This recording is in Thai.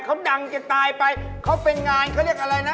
เขาดังจะตายไปเขาเป็นงานเขาเรียกอะไรนะ